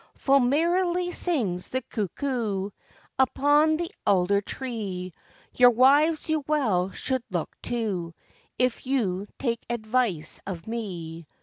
Full merrily sings the cuckoo Upon the alder tree; Your wives you well should look to, If you take advice of me.